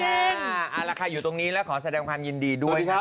เอาละค่ะอยู่ตรงนี้แล้วขอแสดงความยินดีด้วยครับ